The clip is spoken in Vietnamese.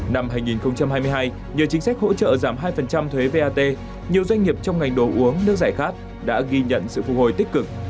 năm hai nghìn hai mươi hai nhờ chính sách hỗ trợ giảm hai thuế vat nhiều doanh nghiệp trong ngành đồ uống nước giải khát đã ghi nhận sự phục hồi tích cực